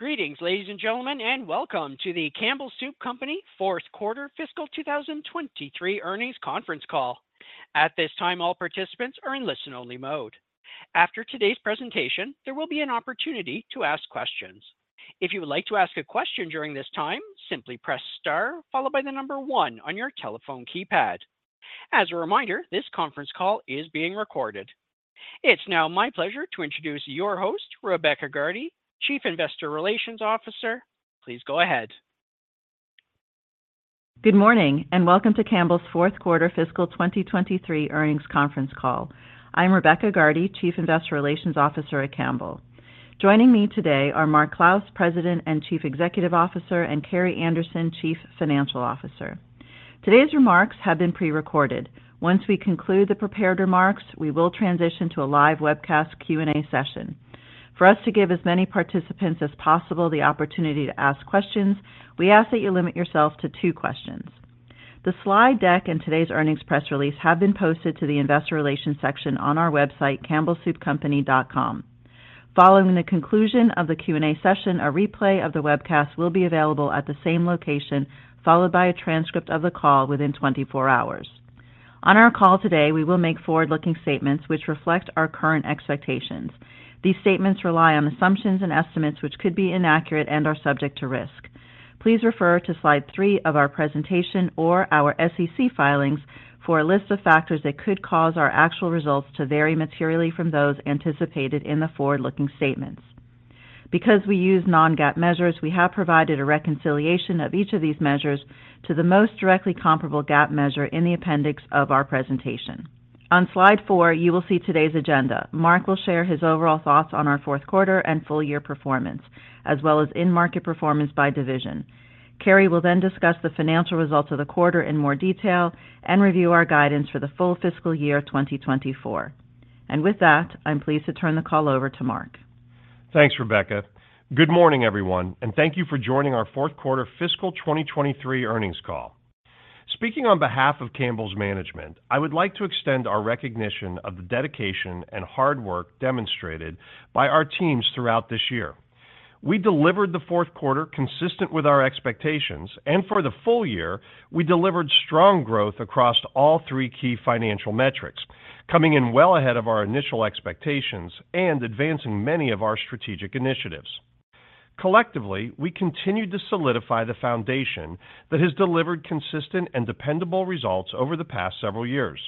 Greetings, ladies and gentlemen, and welcome to the Campbell Soup Company fourth quarter fiscal 2023 earnings conference call. At this time, all participants are in listen-only mode. After today's presentation, there will be an opportunity to ask questions. If you would like to ask a question during this time, simply press star followed by the number one on your telephone keypad. As a reminder, this conference call is being recorded. It's now my pleasure to introduce your host, Rebecca Gardy, Chief Investor Relations Officer. Please go ahead. Good morning, and welcome to Campbell's fourth quarter fiscal 2023 earnings conference call. I'm Rebecca Gardy, Chief Investor Relations Officer at Campbell. Joining me today are Mark Clouse, President and Chief Executive Officer, and Carrie Anderson, Chief Financial Officer. Today's remarks have been prerecorded. Once we conclude the prepared remarks, we will transition to a live webcast Q&A session. For us to give as many participants as possible the opportunity to ask questions, we ask that you limit yourselves to two questions. The slide deck and today's earnings press release have been posted to the investor relations section on our website, campbellsoupcompany.com. Following the conclusion of the Q&A session, a replay of the webcast will be available at the same location, followed by a transcript of the call within 24 hours. On our call today, we will make forward-looking statements which reflect our current expectations. These statements rely on assumptions and estimates, which could be inaccurate and are subject to risk. Please refer to Slide 3 of our presentation or our SEC filings for a list of factors that could cause our actual results to vary materially from those anticipated in the forward-looking statements. Because we use non-GAAP measures, we have provided a reconciliation of each of these measures to the most directly comparable GAAP measure in the appendix of our presentation. On Slide 4, you will see today's agenda. Mark will share his overall thoughts on our fourth quarter and full year performance, as well as in-market performance by division. Carrie will then discuss the financial results of the quarter in more detail and review our guidance for the full fiscal year 2024. With that, I'm pleased to turn the call over to Mark. Thanks, Rebecca. Good morning, everyone, and thank you for joining our fourth quarter fiscal 2023 earnings call. Speaking on behalf of Campbell's management, I would like to extend our recognition of the dedication and hard work demonstrated by our teams throughout this year. We delivered the fourth quarter consistent with our expectations, and for the full year, we delivered strong growth across all three key financial metrics, coming in well ahead of our initial expectations and advancing many of our strategic initiatives. Collectively, we continued to solidify the foundation that has delivered consistent and dependable results over the past several years.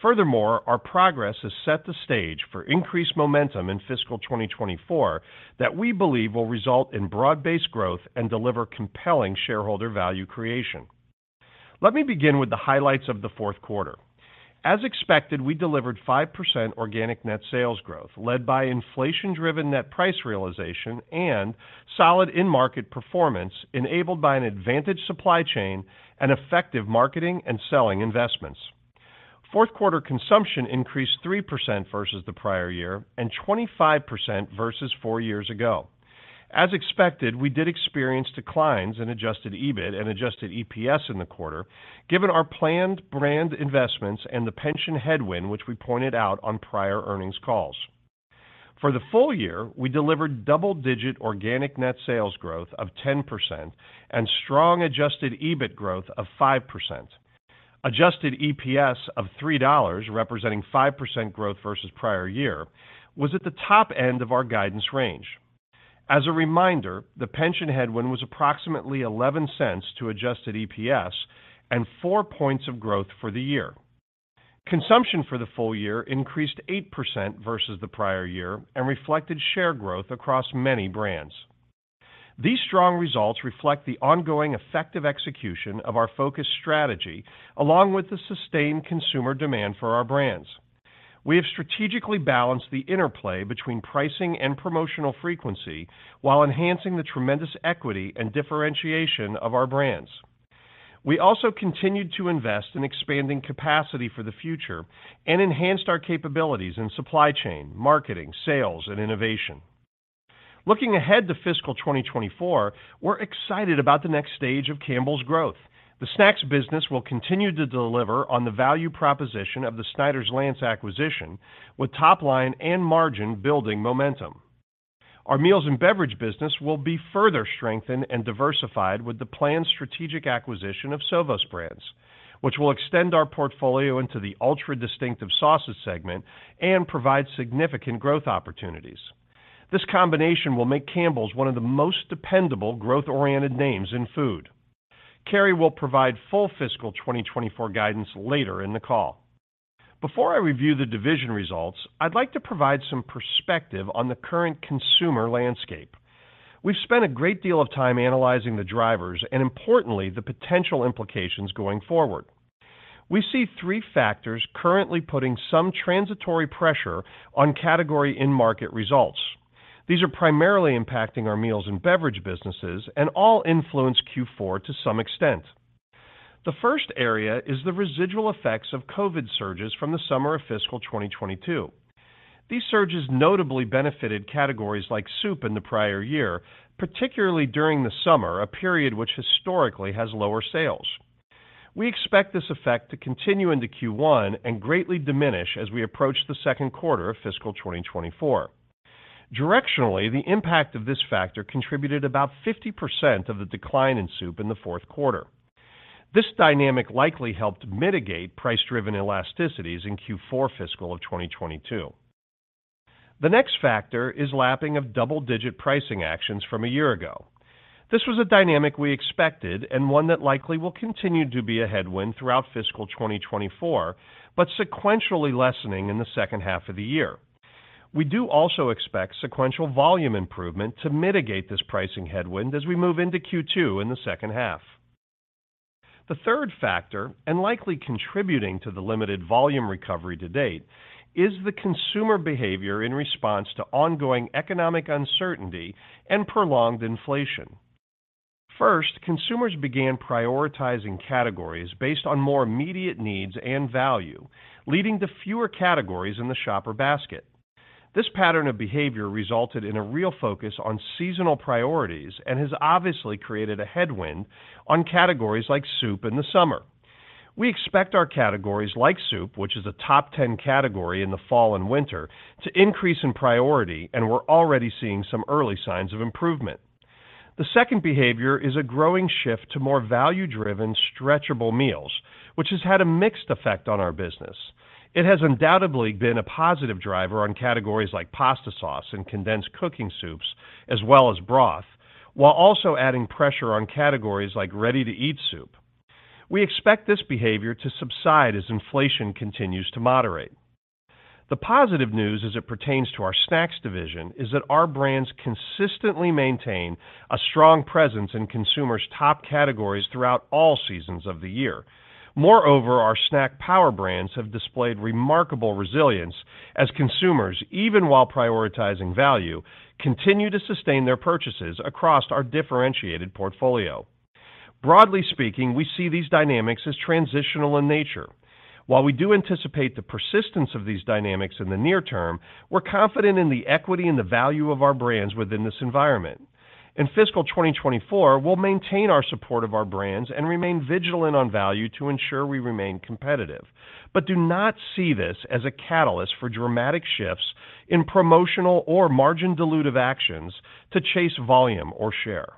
Furthermore, our progress has set the stage for increased momentum in fiscal 2024 that we believe will result in broad-based growth and deliver compelling shareholder value creation. Let me begin with the highlights of the fourth quarter. As expected, we delivered 5% organic net sales growth, led by inflation-driven net price realization and solid in-market performance, enabled by an advantaged supply chain and effective marketing and selling investments. Fourth quarter consumption increased 3% versus the prior year and 25% versus four years ago. As expected, we did experience declines in adjusted EBIT and adjusted EPS in the quarter, given our planned brand investments and the pension headwind, which we pointed out on prior earnings calls. For the full year, we delivered double-digit organic net sales growth of 10% and strong adjusted EBIT growth of 5%. Adjusted EPS of $3, representing 5% growth versus prior year, was at the top end of our guidance range. As a reminder, the pension headwind was approximately $0.11 to adjusted EPS and 4 points of growth for the year. Consumption for the full year increased 8% versus the prior year and reflected share growth across many brands. These strong results reflect the ongoing effective execution of our focused strategy, along with the sustained consumer demand for our brands. We have strategically balanced the interplay between pricing and promotional frequency while enhancing the tremendous equity and differentiation of our brands. We also continued to invest in expanding capacity for the future and enhanced our capabilities in supply chain, marketing, sales, and innovation. Looking ahead to fiscal 2024, we're excited about the next stage of Campbell's growth. The snacks business will continue to deliver on the value proposition of the Snyder's-Lance acquisition, with top line and margin building momentum. Our meals and beverage business will be further strengthened and diversified with the planned strategic acquisition of Sovos Brands, which will extend our portfolio into the ultra distinctive sauces segment and provide significant growth opportunities. This combination will make Campbell's one of the most dependable, growth-oriented names in food. Carrie will provide full fiscal 2024 guidance later in the call. Before I review the division results, I'd like to provide some perspective on the current consumer landscape. We've spent a great deal of time analyzing the drivers and importantly, the potential implications going forward. We see three factors currently putting some transitory pressure on category in-market results. These are primarily impacting our meals and beverage businesses and all influence Q4 to some extent. The first area is the residual effects of COVID surges from the summer of fiscal 2022. These surges notably benefited categories like soup in the prior year, particularly during the summer, a period which historically has lower sales. We expect this effect to continue into Q1 and greatly diminish as we approach the second quarter of fiscal 2024. Directionally, the impact of this factor contributed about 50% of the decline in soup in the fourth quarter. This dynamic likely helped mitigate price-driven elasticities in Q4 fiscal of 2022. The next factor is lapping of double-digit pricing actions from a year ago. This was a dynamic we expected and one that likely will continue to be a headwind throughout fiscal 2024, but sequentially lessening in the second half of the year. We do also expect sequential volume improvement to mitigate this pricing headwind as we move into Q2 in the second half. The third factor, and likely contributing to the limited volume recovery to date, is the consumer behavior in response to ongoing economic uncertainty and prolonged inflation. First, consumers began prioritizing categories based on more immediate needs and value, leading to fewer categories in the shopper basket. This pattern of behavior resulted in a real focus on seasonal priorities and has obviously created a headwind on categories like soup in the summer. We expect our categories like soup, which is a top ten category in the fall and winter, to increase in priority, and we're already seeing some early signs of improvement. The second behavior is a growing shift to more value-driven, stretchable meals, which has had a mixed effect on our business. It has undoubtedly been a positive driver on categories like pasta sauce and condensed cooking soups, as well as broth, while also adding pressure on categories like ready-to-eat soup. We expect this behavior to subside as inflation continues to moderate. The positive news as it pertains to our snacks division is that our brands consistently maintain a strong presence in consumers' top categories throughout all seasons of the year. Moreover, our snack power brands have displayed remarkable resilience as consumers, even while prioritizing value, continue to sustain their purchases across our differentiated portfolio. Broadly speaking, we see these dynamics as transitional in nature. While we do anticipate the persistence of these dynamics in the near term, we're confident in the equity and the value of our brands within this environment. In fiscal 2024, we'll maintain our support of our brands and remain vigilant on value to ensure we remain competitive, but do not see this as a catalyst for dramatic shifts in promotional or margin-dilutive actions to chase volume or share.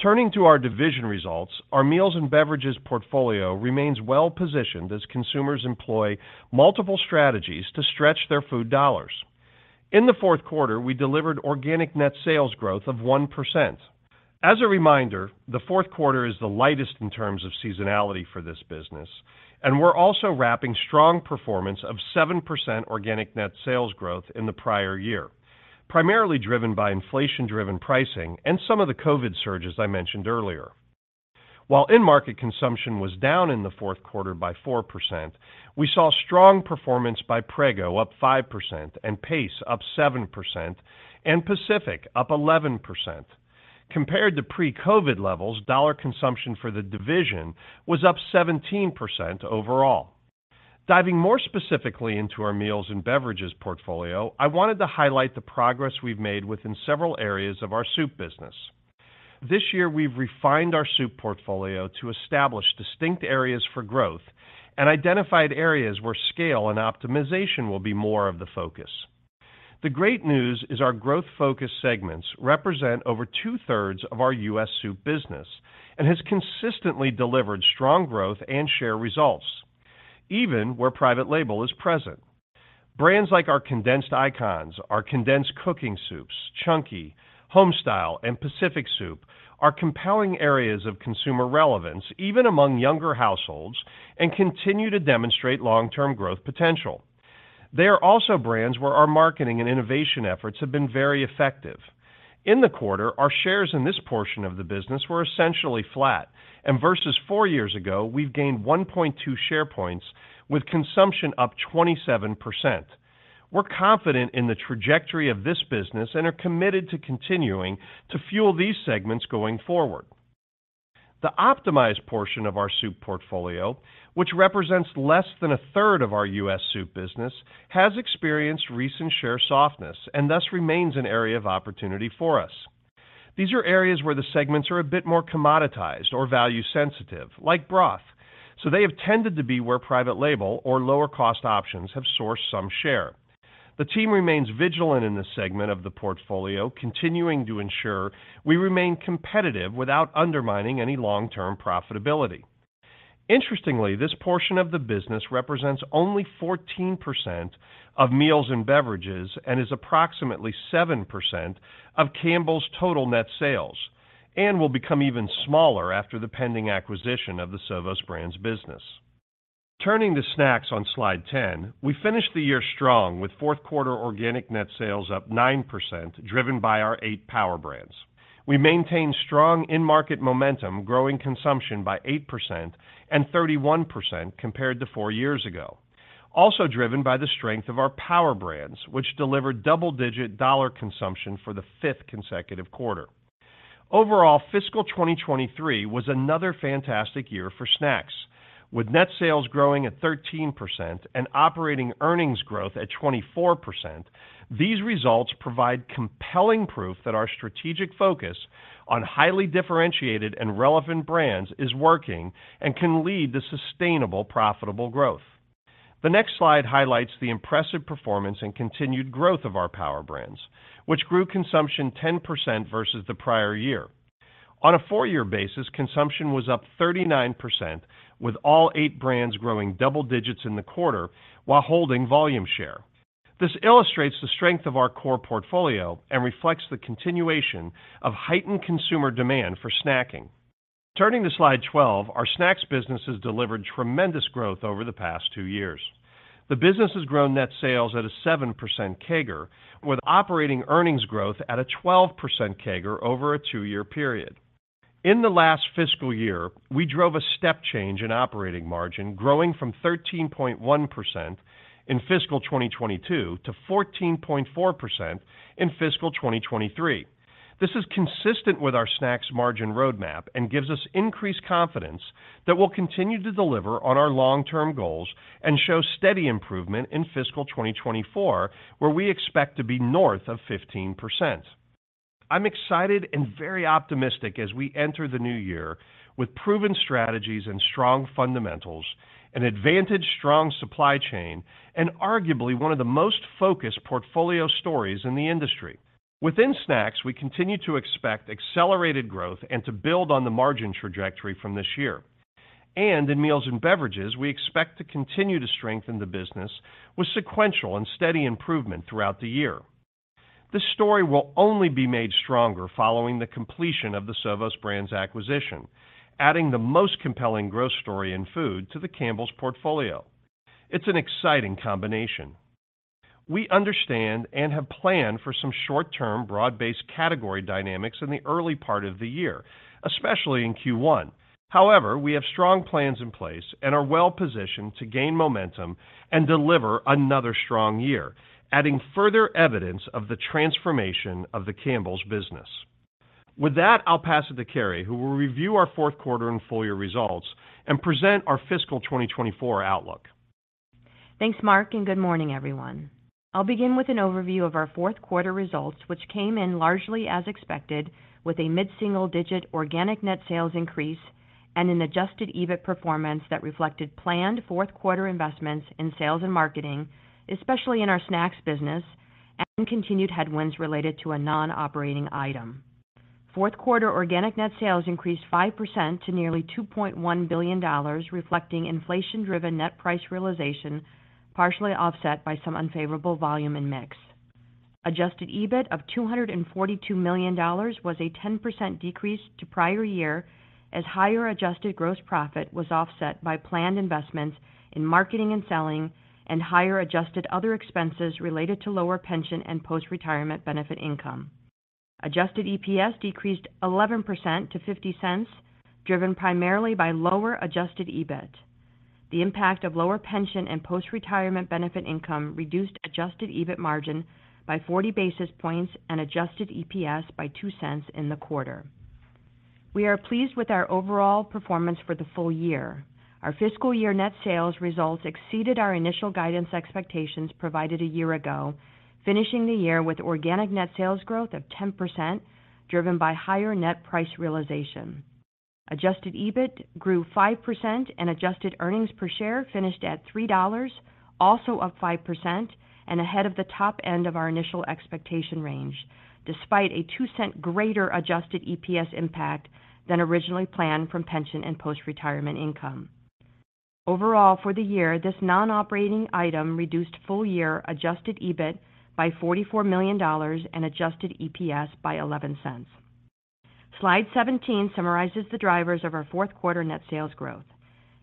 Turning to our division results, our meals and beverages portfolio remains well-positioned as consumers employ multiple strategies to stretch their food dollars. In the fourth quarter, we delivered organic net sales growth of 1%. As a reminder, the fourth quarter is the lightest in terms of seasonality for this business, and we're also wrapping strong performance of 7% organic net sales growth in the prior year, primarily driven by inflation-driven pricing and some of the COVID surges I mentioned earlier. While in-market consumption was down in the fourth quarter by 4%, we saw strong performance by Prego, up 5%, and Pace, up 7%, and Pacific, up 11%. Compared to pre-COVID levels, dollar consumption for the division was up 17% overall. Diving more specifically into our meals and beverages portfolio, I wanted to highlight the progress we've made within several areas of our soup business. This year, we've refined our soup portfolio to establish distinct areas for growth and identified areas where scale and optimization will be more of the focus. The great news is our growth focus segments represent over two-thirds of our U.S. soup business and has consistently delivered strong growth and share results, even where private label is present. Brands like our condensed icons, our condensed cooking soups, Chunky, Homestyle, and Pacific soup are compelling areas of consumer relevance, even among younger households, and continue to demonstrate long-term growth potential. They are also brands where our marketing and innovation efforts have been very effective. In the quarter, our shares in this portion of the business were essentially flat, and versus four years ago, we've gained 1.2 share points, with consumption up 27%. We're confident in the trajectory of this business and are committed to continuing to fuel these segments going forward. The optimized portion of our soup portfolio, which represents less than a third of our U.S. soup business, has experienced recent share softness and thus remains an area of opportunity for us. These are areas where the segments are a bit more commoditized or value sensitive, like broth, so they have tended to be where private label or lower cost options have sourced some share. The team remains vigilant in this segment of the portfolio, continuing to ensure we remain competitive without undermining any long-term profitability. Interestingly, this portion of the business represents only 14% of meals and beverages and is approximately 7% of Campbell's total net sales and will become even smaller after the pending acquisition of the Sovos Brands business. Turning to snacks on slide 10, we finished the year strong with fourth quarter organic net sales up 9%, driven by our eight Power Brands. We maintained strong in-market momentum, growing consumption by 8% and 31% compared to four years ago. Also driven by the strength of our Power Brands, which delivered double-digit dollar consumption for the fifth consecutive quarter. Overall, fiscal 2023 was another fantastic year for snacks. With net sales growing at 13% and operating earnings growth at 24%, these results provide compelling proof that our strategic focus on highly differentiated and relevant brands is working and can lead to sustainable, profitable growth. The next slide highlights the impressive performance and continued growth of our Power Brands, which grew consumption 10% versus the prior year. On a four-year basis, consumption was up 39%, with all eight brands growing double digits in the quarter while holding volume share. This illustrates the strength of our core portfolio and reflects the continuation of heightened consumer demand for snacking. Turning to Slide 12, our snacks business has delivered tremendous growth over the past two years. The business has grown net sales at a 7% CAGR, with operating earnings growth at a 12% CAGR over a 2-year period. In the last fiscal year, we drove a step change in operating margin, growing from 13.1% in fiscal 2022 to 14.4% in fiscal 2023. This is consistent with our snacks margin roadmap and gives us increased confidence that we'll continue to deliver on our long-term goals and show steady improvement in fiscal 2024, where we expect to be north of 15%. I'm excited and very optimistic as we enter the new year with proven strategies and strong fundamentals, an advantage strong supply chain, and arguably one of the most focused portfolio stories in the industry. Within snacks, we continue to expect accelerated growth and to build on the margin trajectory from this year. In meals and beverages, we expect to continue to strengthen the business with sequential and steady improvement throughout the year. This story will only be made stronger following the completion of the Sovos Brands acquisition, adding the most compelling growth story in food to the Campbell's portfolio. It's an exciting combination. We understand and have planned for some short-term, broad-based category dynamics in the early part of the year, especially in Q1. However, we have strong plans in place and are well positioned to gain momentum and deliver another strong year, adding further evidence of the transformation of the Campbell's business. With that, I'll pass it to Carrie, who will review our fourth quarter and full year results and present our fiscal 2024 outlook. Thanks, Mark, and good morning, everyone. I'll begin with an overview of our fourth quarter results, which came in largely as expected, with a mid-single-digit organic net sales increase and an adjusted EBIT performance that reflected planned fourth quarter investments in sales and marketing, especially in our snacks business and continued headwinds related to a non-operating item. Fourth quarter organic net sales increased 5% to nearly $2.1 billion, reflecting inflation-driven net price realization, partially offset by some unfavorable volume and mix. Adjusted EBIT of $242 million was a 10% decrease to prior year, as higher adjusted gross profit was offset by planned investments in marketing and selling and higher adjusted other expenses related to lower pension and post-retirement benefit income. Adjusted EPS decreased 11% to $0.50, driven primarily by lower adjusted EBIT. The impact of lower pension and postretirement benefit income reduced Adjusted EBIT margin by 40 basis points and Adjusted EPS by $0.02 in the quarter. We are pleased with our overall performance for the full year. Our fiscal year net sales results exceeded our initial guidance expectations provided a year ago, finishing the year with organic net sales growth of 10%, driven by higher net price realization. Adjusted EBIT grew 5%, and adjusted earnings per share finished at $3, also up 5% and ahead of the top end of our initial expectation range, despite a $0.02 greater Adjusted EPS impact than originally planned from pension and postretirement income. Overall, for the year, this non-operating item reduced full-year Adjusted EBIT by $44 million and Adjusted EPS by $0.11. Slide 17 summarizes the drivers of our fourth quarter net sales growth.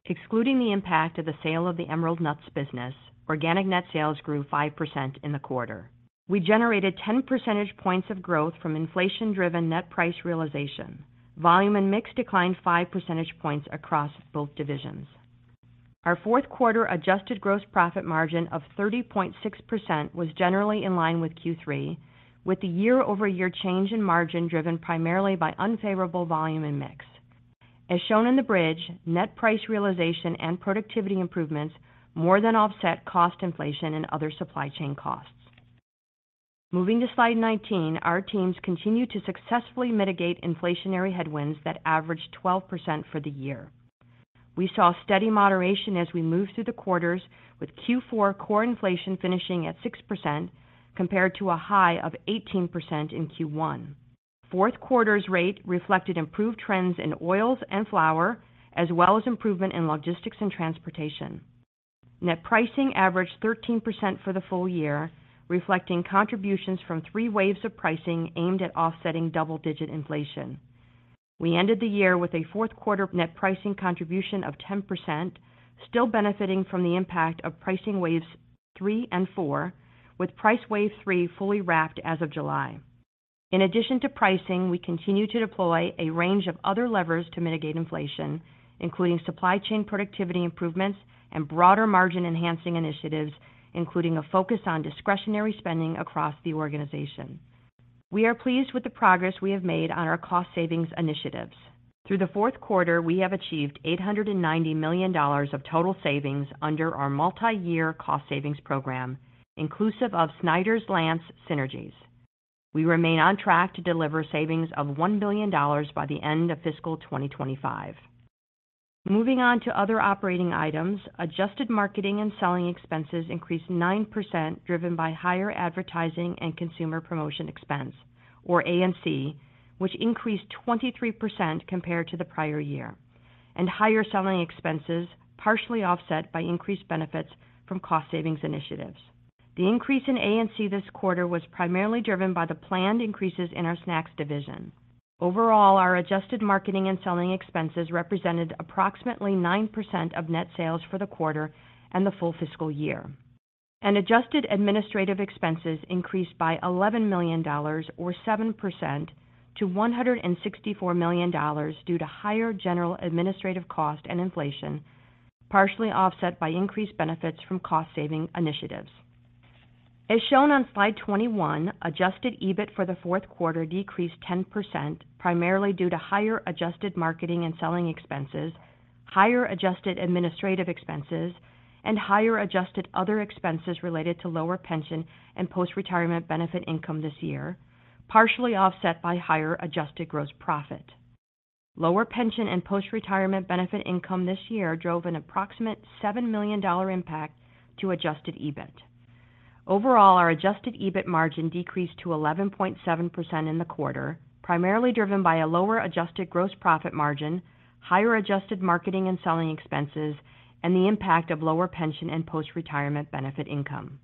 Excluding the impact of the sale of the Emerald Nuts business, organic net sales grew 5% in the quarter. We generated 10 percentage points of growth from inflation-driven net price realization. Volume and mix declined 5 percentage points across both divisions. Our fourth quarter adjusted gross profit margin of 30.6% was generally in line with Q3, with the year-over-year change in margin driven primarily by unfavorable volume and mix. As shown in the bridge, net price realization and productivity improvements more than offset cost inflation and other supply chain costs. Moving to Slide 19, our teams continued to successfully mitigate inflationary headwinds that averaged 12% for the year. We saw steady moderation as we moved through the quarters, with Q4 core inflation finishing at 6% compared to a high of 18% in Q1. Fourth quarter's rate reflected improved trends in oils and flour, as well as improvement in logistics and transportation. Net pricing averaged 13% for the full year, reflecting contributions from three waves of pricing aimed at offsetting double-digit inflation. We ended the year with a fourth quarter net pricing contribution of 10%, still benefiting from the impact of pricing waves three and four, with price wave three fully wrapped as of July. In addition to pricing, we continued to deploy a range of other levers to mitigate inflation, including supply chain productivity improvements and broader margin-enhancing initiatives, including a focus on discretionary spending across the organization.... We are pleased with the progress we have made on our cost savings initiatives. Through the fourth quarter, we have achieved $890 million of total savings under our multi-year cost savings program, inclusive of Snyder's-Lance synergies. We remain on track to deliver savings of $1 billion by the end of fiscal 2025. Moving on to other operating items, adjusted marketing and selling expenses increased 9%, driven by higher advertising and consumer promotion expense, or A&C, which increased 23% compared to the prior year, and higher selling expenses, partially offset by increased benefits from cost savings initiatives. The increase in A&C this quarter was primarily driven by the planned increases in our snacks division. Overall, our adjusted marketing and selling expenses represented approximately 9% of net sales for the quarter and the full fiscal year. Adjusted administrative expenses increased by $11 million or 7% to $164 million due to higher general administrative cost and inflation, partially offset by increased benefits from cost saving initiatives. As shown on slide 21, adjusted EBIT for the fourth quarter decreased 10%, primarily due to higher adjusted marketing and selling expenses, higher adjusted administrative expenses, and higher adjusted other expenses related to lower pension and post-retirement benefit income this year, partially offset by higher adjusted gross profit. Lower pension and post-retirement benefit income this year drove an approximate $7 million impact to adjusted EBIT. Overall, our adjusted EBIT margin decreased to 11.7% in the quarter, primarily driven by a lower adjusted gross profit margin, higher adjusted marketing and selling expenses, and the impact of lower pension and post-retirement benefit income.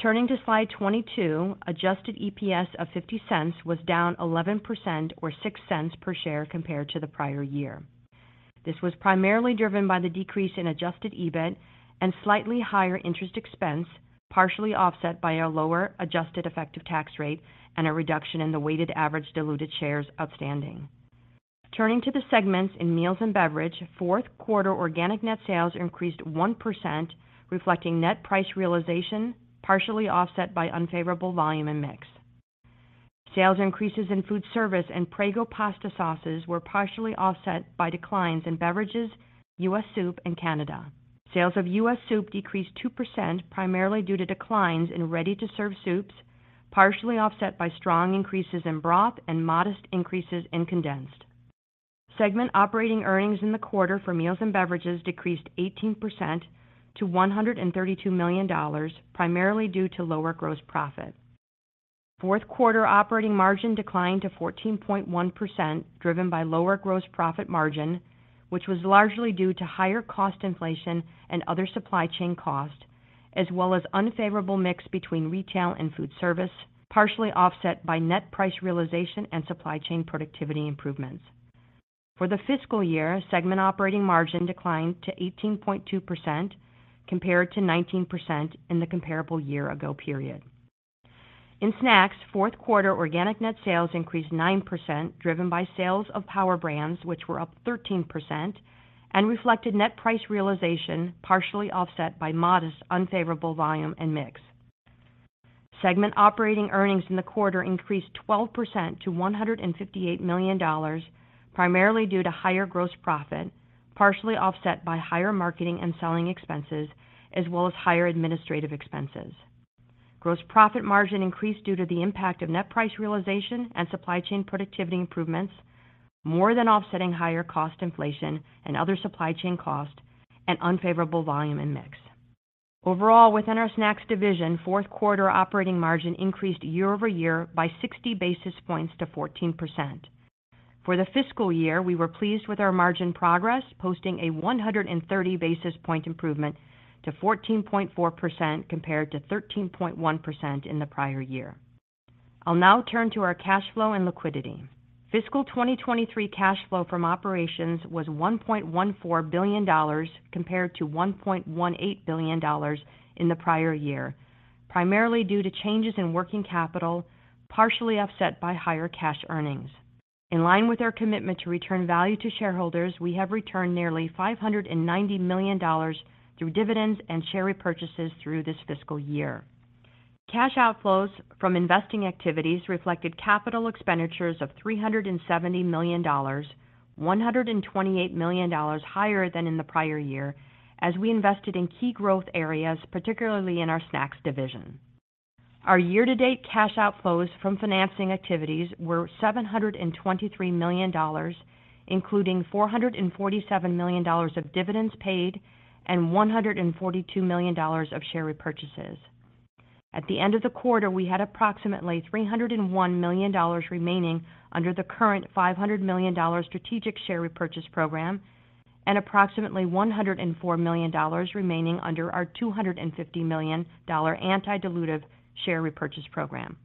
Turning to slide 22, adjusted EPS of $0.50 was down 11% or $0.06 per share compared to the prior year. This was primarily driven by the decrease in Adjusted EBIT and slightly higher interest expense, partially offset by a lower adjusted effective tax rate and a reduction in the weighted average diluted shares outstanding. Turning to the segments in meals and beverages, fourth quarter organic net sales increased 1%, reflecting net price realization, partially offset by unfavorable volume and mix. Sales increases in food service and Prego pasta sauces were partially offset by declines in beverages, U.S. soup and Canada. Sales of U.S. soup decreased 2%, primarily due to declines in ready-to-serve soups, partially offset by strong increases in broth and modest increases in condensed. Segment operating earnings in the quarter for meals and beverages decreased 18% to $132 million, primarily due to lower gross profit. Fourth quarter operating margin declined to 14.1%, driven by lower gross profit margin, which was largely due to higher cost inflation and other supply chain costs, as well as unfavorable mix between retail and food service, partially offset by net price realization and supply chain productivity improvements. For the fiscal year, segment operating margin declined to 18.2% compared to 19% in the comparable year ago period. In snacks, fourth quarter organic net sales increased 9%, driven by sales of Power Brands, which were up 13% and reflected net price realization, partially offset by modest unfavorable volume and mix. Segment operating earnings in the quarter increased 12% to $158 million, primarily due to higher gross profit, partially offset by higher marketing and selling expenses, as well as higher administrative expenses. Gross profit margin increased due to the impact of net price realization and supply chain productivity improvements, more than offsetting higher cost inflation and other supply chain costs and unfavorable volume and mix. Overall, within our snacks division, fourth quarter operating margin increased year-over-year by 60 basis points to 14%. For the fiscal year, we were pleased with our margin progress, posting a 130 basis point improvement to 14.4%, compared to 13.1% in the prior year. I'll now turn to our cash flow and liquidity. Fiscal 2023 cash flow from operations was $1.14 billion compared to $1.18 billion in the prior year, primarily due to changes in working capital, partially offset by higher cash earnings. In line with our commitment to return value to shareholders, we have returned nearly $590 million through dividends and share repurchases through this fiscal year. Cash outflows from investing activities reflected capital expenditures of $370 million, $128 million higher than in the prior year, as we invested in key growth areas, particularly in our snacks division. Our year-to-date cash outflows from financing activities were $723 million, including $447 million of dividends paid and $142 million of share repurchases. At the end of the quarter, we had approximately $301 million remaining under the current $500 million strategic share repurchase program and approximately $104 million remaining under our $250 million anti-dilutive share repurchase program.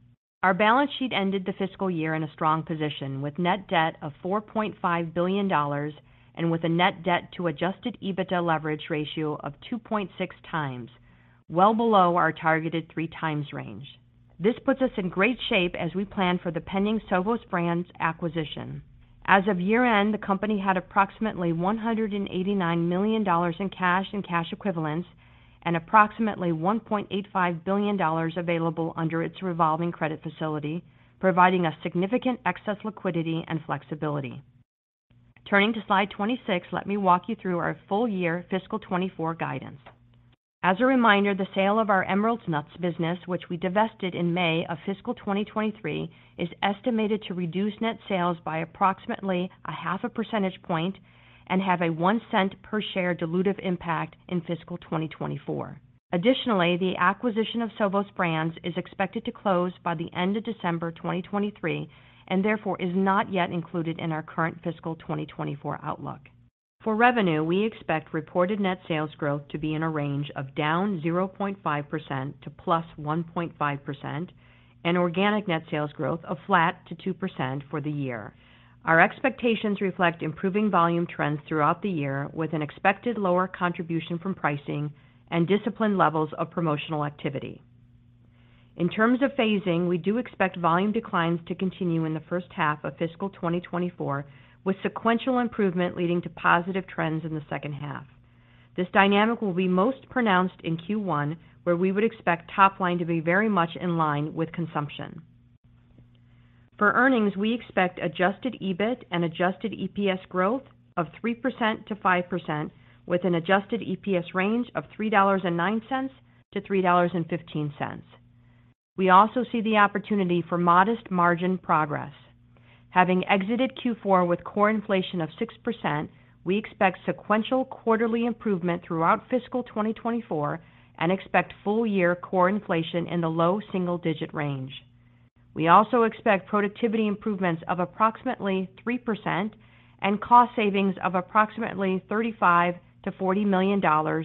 Our balance sheet ended the fiscal year in a strong position with net debt of $4.5 billion and with a net debt to adjusted EBITDA leverage ratio of 2.6 times, well below our targeted 3 times range. This puts us in great shape as we plan for the pending Sovos Brands acquisition. As of year-end, the company had approximately $189 million in cash and cash equivalents,... and approximately $1.85 billion available under its revolving credit facility, providing us significant excess liquidity and flexibility. Turning to slide 26, let me walk you through our full year fiscal 2024 guidance. As a reminder, the sale of our Emerald Nuts business, which we divested in May of fiscal 2023, is estimated to reduce net sales by approximately 0.5 percentage point and have a $0.01 per share dilutive impact in fiscal 2024. Additionally, the acquisition of Sovos Brands is expected to close by the end of December 2023, and therefore is not yet included in our current fiscal 2024 outlook. For revenue, we expect reported net sales growth to be in a range of -0.5% to +1.5% and organic net sales growth of flat to 2% for the year. Our expectations reflect improving volume trends throughout the year, with an expected lower contribution from pricing and disciplined levels of promotional activity. In terms of phasing, we do expect volume declines to continue in the first half of fiscal 2024, with sequential improvement leading to positive trends in the second half. This dynamic will be most pronounced in Q1, where we would expect top line to be very much in line with consumption. For earnings, we expect adjusted EBIT and adjusted EPS growth of 3%-5%, with an adjusted EPS range of $3.09-$3.15. We also see the opportunity for modest margin progress. Having exited Q4 with core inflation of 6%, we expect sequential quarterly improvement throughout fiscal 2024 and expect full year core inflation in the low single digit range. We also expect productivity improvements of approximately 3% and cost savings of approximately $35 million-$40 million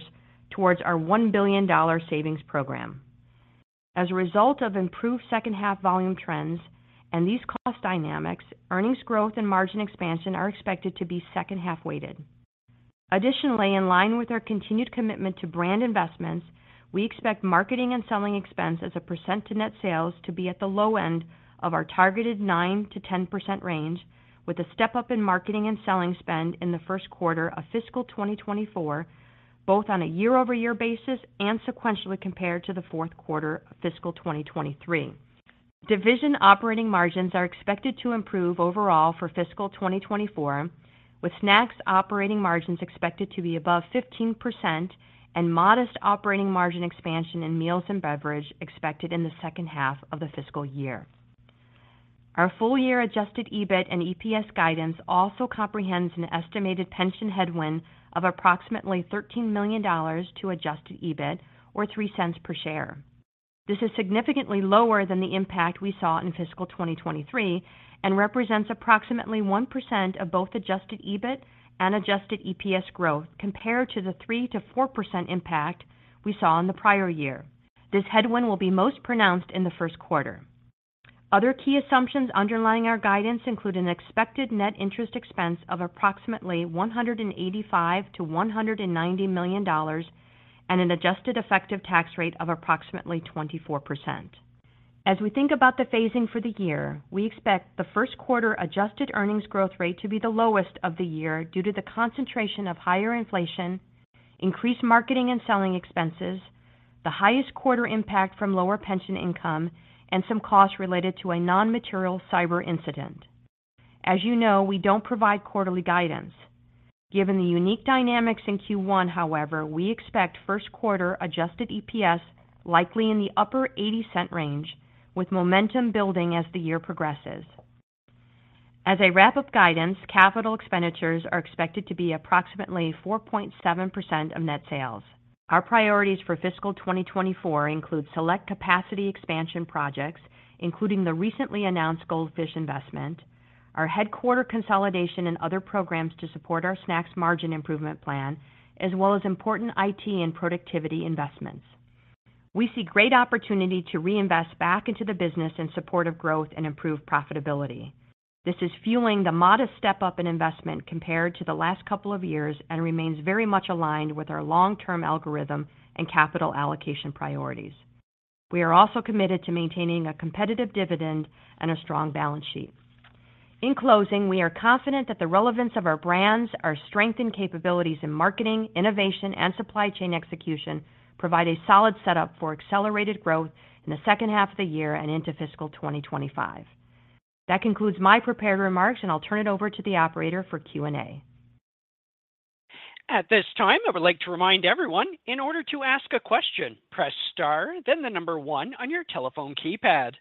towards our $1 billion savings program. As a result of improved second half volume trends and these cost dynamics, earnings growth and margin expansion are expected to be second half weighted. Additionally, in line with our continued commitment to brand investments, we expect marketing and selling expense as a percent to net sales to be at the low end of our targeted 9%-10% range, with a step-up in marketing and selling spend in the first quarter of fiscal 2024, both on a year-over-year basis and sequentially compared to the fourth quarter of fiscal 2023. Division operating margins are expected to improve overall for fiscal 2024, with snacks operating margins expected to be above 15% and modest operating margin expansion in meals and beverage expected in the second half of the fiscal year. Our full year Adjusted EBIT and Adjusted EPS guidance also comprehends an estimated pension headwind of approximately $13 million to Adjusted EBIT or $0.03 per share. This is significantly lower than the impact we saw in fiscal 2023 and represents approximately 1% of both Adjusted EBIT and Adjusted EPS growth, compared to the 3%-4% impact we saw in the prior year. This headwind will be most pronounced in the first quarter. Other key assumptions underlying our guidance include an expected net interest expense of approximately $185 million-$190 million and an adjusted effective tax rate of approximately 24%. As we think about the phasing for the year, we expect the first quarter adjusted earnings growth rate to be the lowest of the year due to the concentration of higher inflation, increased marketing and selling expenses, the highest quarter impact from lower pension income, and some costs related to a non-material cyber incident. As you know, we don't provide quarterly guidance. Given the unique dynamics in Q1, however, we expect first quarter adjusted EPS likely in the upper $0.80 range, with momentum building as the year progresses. As a wrap-up guidance, capital expenditures are expected to be approximately 4.7% of net sales. Our priorities for fiscal 2024 include select capacity expansion projects, including the recently announced Goldfish investment, our headquarters consolidation and other programs to support our snacks margin improvement plan, as well as important IT and productivity investments. We see great opportunity to reinvest back into the business in support of growth and improve profitability. This is fueling the modest step-up in investment compared to the last couple of years and remains very much aligned with our long-term algorithm and capital allocation priorities. We are also committed to maintaining a competitive dividend and a strong balance sheet. In closing, we are confident that the relevance of our brands, our strength and capabilities in marketing, innovation, and supply chain execution, provide a solid setup for accelerated growth in the second half of the year and into fiscal 2025. That concludes my prepared remarks, and I'll turn it over to the operator for Q&A. At this time, I would like to remind everyone, in order to ask a question, press star, then the number one on your telephone keypad.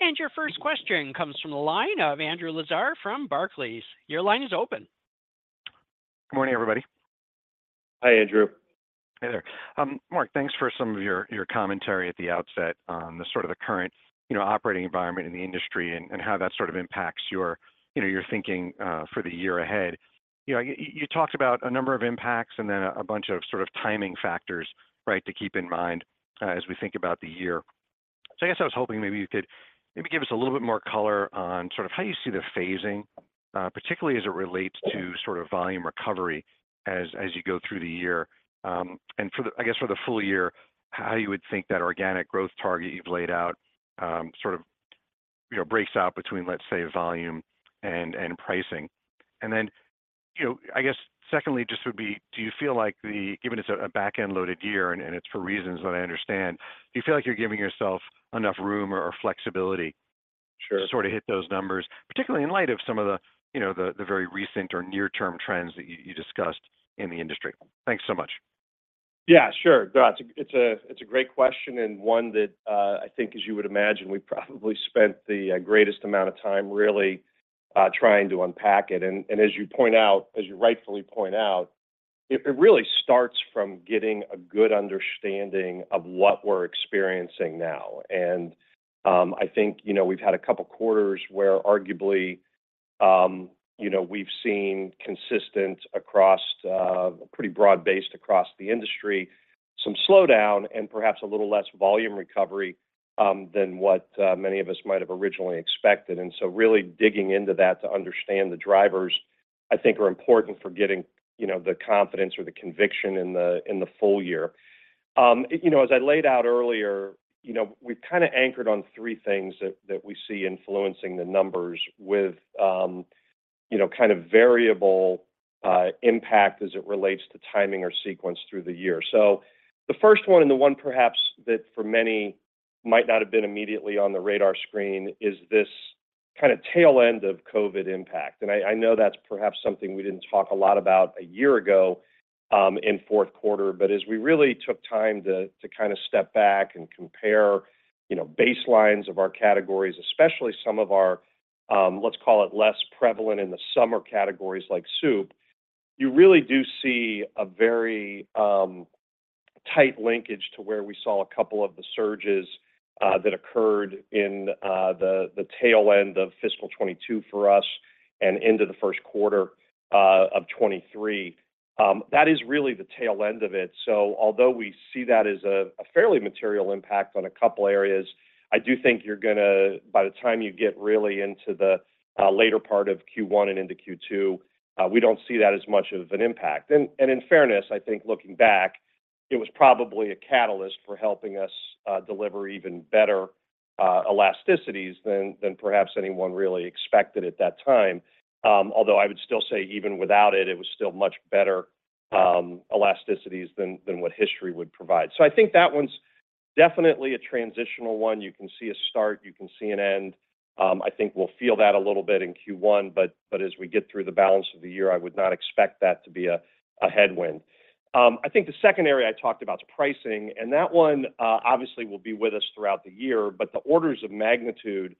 And your first question comes from the line of Andrew Lazar from Barclays. Your line is open. Good morning, everybody. Hi, Andrew. Hey there. Mark, thanks for some of your, your commentary at the outset on the sort of the current, you know, operating environment in the industry and how that sort of impacts your, you know, your thinking for the year ahead. You know, you talked about a number of impacts and then a bunch of sort of timing factors, right, to keep in mind as we think about the year. So I guess I was hoping maybe you could maybe give us a little bit more color on sort of how you see the phasing, particularly as it relates to sort of volume recovery as you go through the year. And for the—I guess for the full year, how you would think that organic growth target you've laid out, sort of-... You know, breaks out between, let's say, volume and, and pricing. And then, you know, I guess secondly, just would be, do you feel like the, given it's a, a back-end loaded year, and, and it's for reasons that I understand, do you feel like you're giving yourself enough room or, or flexibility? Sure. to sort of hit those numbers, particularly in light of some of the, you know, the very recent or near-term trends that you discussed in the industry? Thanks so much. Yeah, sure. No, it's a, it's a great question, and one that, I think, as you would imagine, we probably spent the, greatest amount of time really, trying to unpack it. And, and as you point out, as you rightfully point out, it, it really starts from getting a good understanding of what we're experiencing now. And, I think, you know, we've had a couple quarters where arguably, you know, we've seen consistent across, pretty broad-based across the industry, some slowdown and perhaps a little less volume recovery, than what, many of us might have originally expected. And so really digging into that to understand the drivers, I think are important for getting, you know, the confidence or the conviction in the, in the full year. You know, as I laid out earlier, you know, we've kinda anchored on three things that we see influencing the numbers with, you know, kind of variable impact as it relates to timing or sequence through the year. So the first one, and the one perhaps that for many might not have been immediately on the radar screen, is this kinda tail end of COVID impact. And I know that's perhaps something we didn't talk a lot about a year ago, in fourth quarter. But as we really took time to kinda step back and compare, you know, baselines of our categories, especially some of our, let's call it, less prevalent in the summer categories like soup, you really do see a very tight linkage to where we saw a couple of the surges that occurred in the tail end of fiscal 2022 for us and into the first quarter of 2023. That is really the tail end of it. So although we see that as a fairly material impact on a couple areas, I do think you're gonna, by the time you get really into the later part of Q1 and into Q2, we don't see that as much of an impact. And in fairness, I think looking back, it was probably a catalyst for helping us deliver even better elasticities than perhaps anyone really expected at that time. Although I would still say even without it, it was still much better elasticities than what history would provide. So I think that one's definitely a transitional one. You can see a start, you can see an end. I think we'll feel that a little bit in Q1, but as we get through the balance of the year, I would not expect that to be a headwind. I think the second area I talked about is pricing, and that one, obviously, will be with us throughout the year, but the orders of magnitude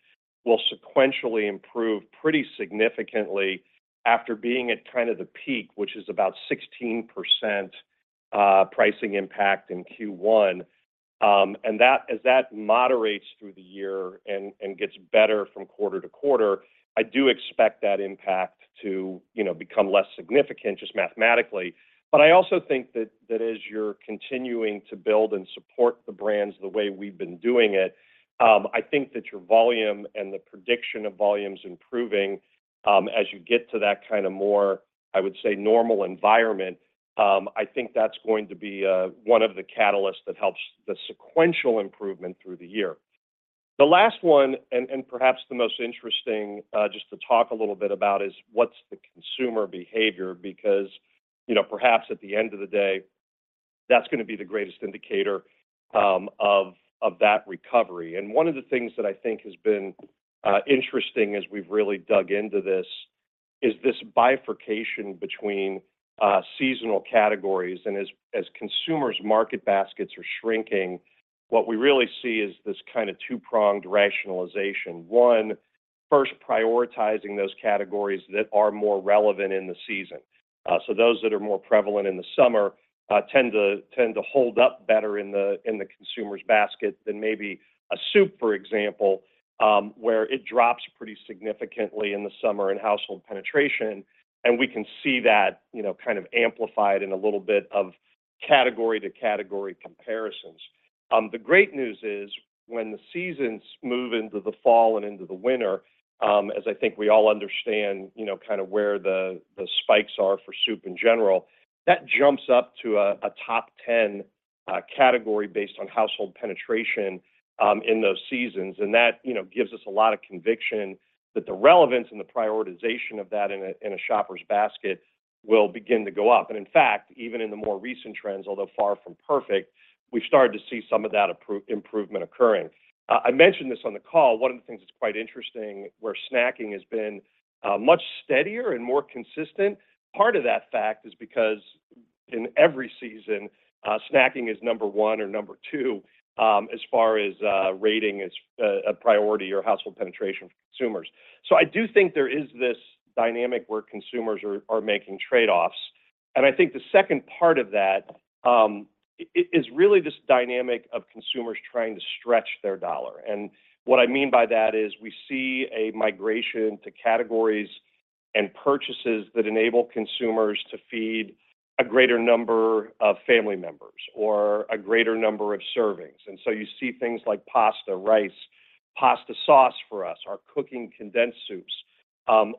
will sequentially improve pretty significantly after being at kinda the peak, which is about 16% pricing impact in Q1. And that, as that moderates through the year and gets better from quarter to quarter, I do expect that impact to, you know, become less significant, just mathematically. But I also think that as you're continuing to build and support the brands the way we've been doing it, I think that your volume and the prediction of volume's improving, as you get to that kinda more, I would say, normal environment, I think that's going to be one of the catalysts that helps the sequential improvement through the year. The last one, and perhaps the most interesting, just to talk a little bit about, is what's the consumer behavior? Because, you know, perhaps at the end of the day, that's gonna be the greatest indicator of that recovery. And one of the things that I think has been interesting as we've really dug into this, is this bifurcation between seasonal categories. And as consumers' market baskets are shrinking, what we really see is this kinda two-pronged rationalization. One, first prioritizing those categories that are more relevant in the season. So those that are more prevalent in the summer tend to hold up better in the consumer's basket than maybe a soup, for example, where it drops pretty significantly in the summer in household penetration, and we can see that, you know, kind of amplified in a little bit of category-to-category comparisons. The great news is, when the seasons move into the fall and into the winter, as I think we all understand, you know, kinda where the spikes are for soup in general, that jumps up to a top ten category based on household penetration in those seasons. And that, you know, gives us a lot of conviction that the relevance and the prioritization of that in a shopper's basket will begin to go up. In fact, even in the more recent trends, although far from perfect, we've started to see some of that improvement occurring. I mentioned this on the call, one of the things that's quite interesting, where snacking has been much steadier and more consistent, part of that fact is because in every season, snacking is number one or number two, as far as rating as a priority or household penetration for consumers. So I do think there is this dynamic where consumers are making trade-offs, and I think the second part of that is really this dynamic of consumers trying to stretch their dollar. And what I mean by that is, we see a migration to categories and purchases that enable consumers to feed a greater number of family members or a greater number of servings. And so you see things like pasta, rice, pasta sauce for us, our cooking condensed soups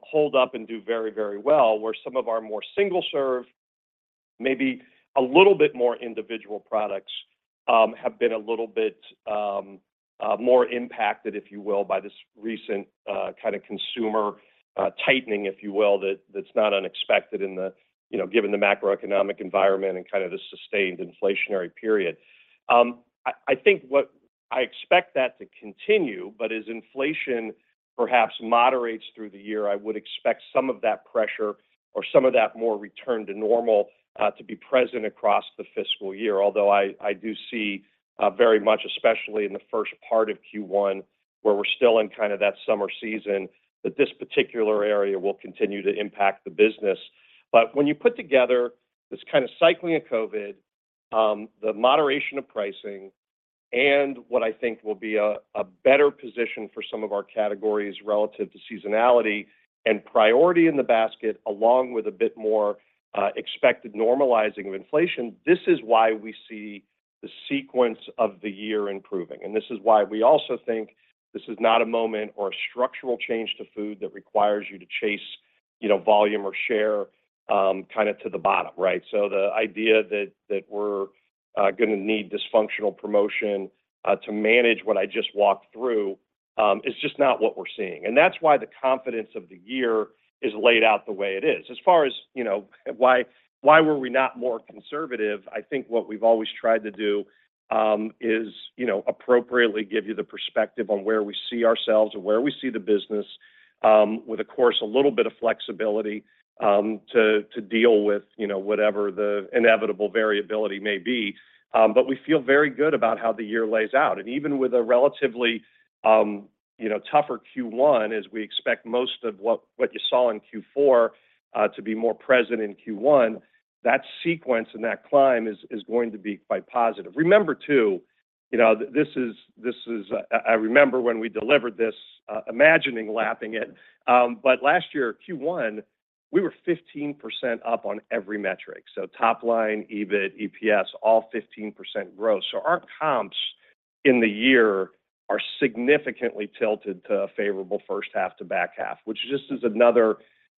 hold up and do very, very well, where some of our more single-serve, maybe a little bit more individual products have been a little bit more impacted, if you will, by this recent kind of consumer tightening, if you will, that's not unexpected in the, you know, given the macroeconomic environment and kind of the sustained inflationary period. I think what I expect that to continue, but as inflation perhaps moderates through the year, I would expect some of that pressure or some of that more return to normal to be present across the fiscal year. Although I do see very much, especially in the first part of Q1, where we're still in kind of that summer season, that this particular area will continue to impact the business. But when you put together this kind of cycling of COVID, the moderation of pricing, and what I think will be a better position for some of our categories relative to seasonality and priority in the basket, along with a bit more expected normalizing of inflation, this is why we see the sequence of the year improving. And this is why we also think this is not a moment or a structural change to food that requires you to chase, you know, volume or share, kind of to the bottom, right? So the idea that we're gonna need dysfunctional promotion to manage what I just walked through is just not what we're seeing. And that's why the confidence of the year is laid out the way it is. As far as, you know, why were we not more conservative? I think what we've always tried to do is, you know, appropriately give you the perspective on where we see ourselves or where we see the business with, of course, a little bit of flexibility to deal with, you know, whatever the inevitable variability may be. But we feel very good about how the year lays out. And even with a relatively, you know, tougher Q1, as we expect most of what you saw in Q4 to be more present in Q1, that sequence and that climb is going to be quite positive. Remember, too, you know, this is—I remember when we delivered this, imagining lapping it. But last year, Q1, we were 15% up on every metric. So top line, EBIT, EPS, all 15% growth. So our comps in the year are significantly tilted to a favorable first half to back half, which just is another,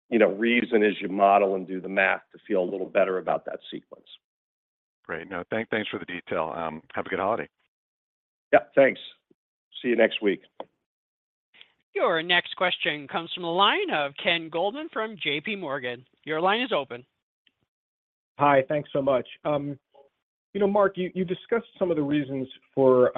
you know, reason as you model and do the math to feel a little better about that sequence. Great. Now, thanks for the detail. Have a good holiday. Yep, thanks. See you next week. Your next question comes from the line of Ken Goldman from JP Morgan. Your line is open. Hi, thanks so much. You know, Mark, you discussed some of the reasons for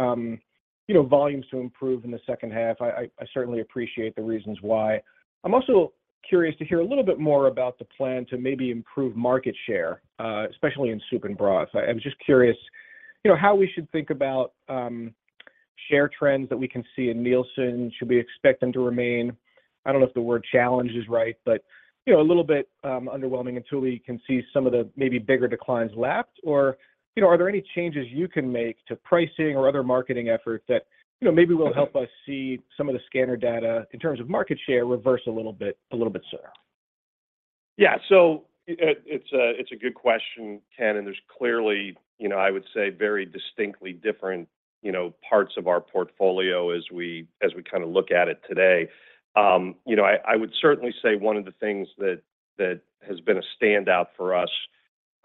you know, volumes to improve in the second half. I certainly appreciate the reasons why. I'm also curious to hear a little bit more about the plan to maybe improve market share, especially in soup and broth. I was just curious, you know, how we should think about share trends that we can see in Nielsen. Should we expect them to remain, I don't know if the word challenged is right, but, you know, a little bit, underwhelming until we can see some of the maybe bigger declines lapped? Or, you know, are there any changes you can make to pricing or other marketing efforts that, you know, maybe will help us see some of the scanner data in terms of market share reverse a little bit, a little bit sooner? Yeah. So it's a good question, Ken, and there's clearly, you know, I would say, very distinctly different, you know, parts of our portfolio as we kind of look at it today. You know, I would certainly say one of the things that has been a standout for us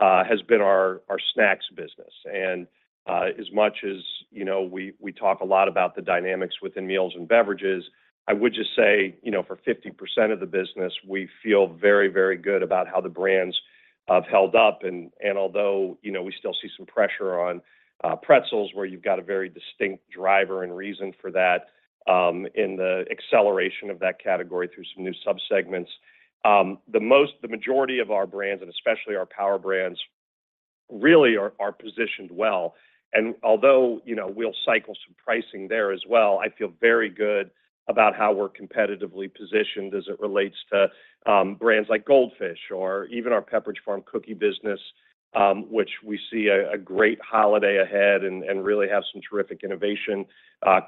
has been our snacks business. And, as much as, you know, we talk a lot about the dynamics within meals and beverages, I would just say, you know, for 50% of the business, we feel very, very good about how the brands have held up. And although, you know, we still see some pressure on pretzels, where you've got a very distinct driver and reason for that, in the acceleration of that category through some new subsegments. The majority of our brands, and especially our Power Brands, really are positioned well. And although, you know, we'll cycle some pricing there as well, I feel very good about how we're competitively positioned as it relates to brands like Goldfish or even our Pepperidge Farm cookie business, which we see a great holiday ahead and really have some terrific innovation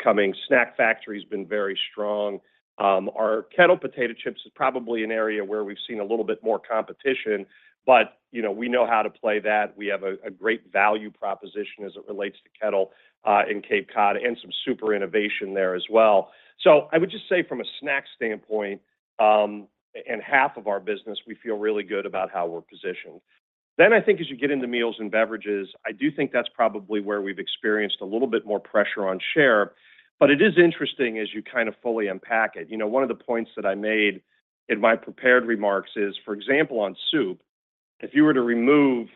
coming. Snack Factory has been very strong. Our Kettle potato chips is probably an area where we've seen a little bit more competition, but, you know, we know how to play that. We have a great value proposition as it relates to Kettle and Cape Cod, and some super innovation there as well. So I would just say from a snack standpoint, and half of our business, we feel really good about how we're positioned. Then I think as you get into meals and beverages, I do think that's probably where we've experienced a little bit more pressure on share. But it is interesting as you kind of fully unpack it. You know, one of the points that I made in my prepared remarks is, for example, on soup, if you were to remove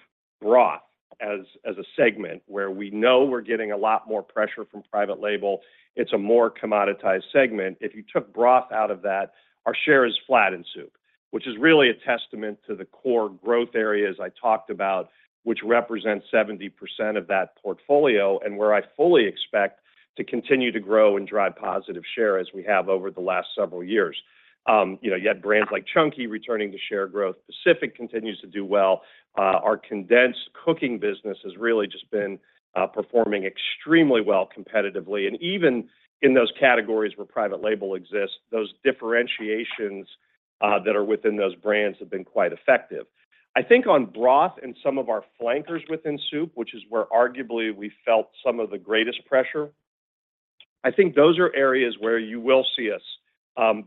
broth as, as a segment where we know we're getting a lot more pressure from private label, it's a more commoditized segment. If you took broth out of that, our share is flat in soup, which is really a testament to the core growth areas I talked about, which represent 70% of that portfolio and where I fully expect to continue to grow and drive positive share as we have over the last several years. You know, you had brands like Chunky returning to share growth. Pacific continues to do well. Our condensed cooking business has really just been performing extremely well competitively. Even in those categories where private label exists, those differentiations that are within those brands have been quite effective. I think on broth and some of our flankers within soup, which is where arguably we felt some of the greatest pressure. I think those are areas where you will see us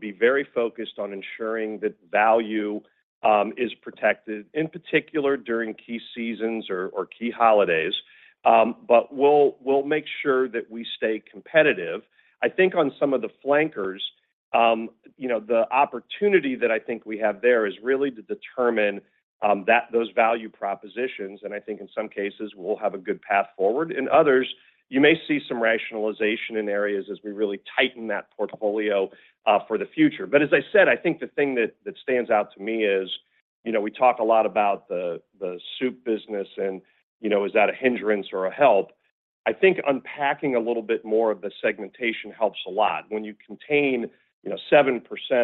be very focused on ensuring that value is protected, in particular, during key seasons or key holidays. But we'll make sure that we stay competitive. I think on some of the flankers, you know, the opportunity that I think we have there is really to determine those value propositions, and I think in some cases, we'll have a good path forward. In others, you may see some rationalization in areas as we really tighten that portfolio for the future. But as I said, I think the thing that stands out to me is, you know, we talk a lot about the soup business and, you know, is that a hindrance or a help? I think unpacking a little bit more of the segmentation helps a lot. When you contain, you know, 7%